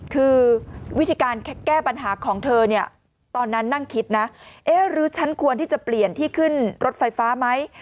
คือวิธีการแก้ปัญหาของเธอเนี่ยตอนนั้นนั่งคิดนะเอ๊ะหรือฉันควรที่จะเปลี่ยนที่ขึ้นรถไฟฟ้าไหม